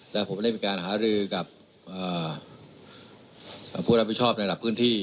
แล้วผมได้มีการหารือกับผู้รับผิดชอบในระดับพื้นที่